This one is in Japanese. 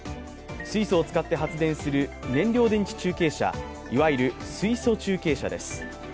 水素を使って発電する燃料電池中継車、いわゆる水素中継車です。